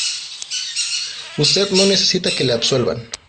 usted no necesita que le absuelvan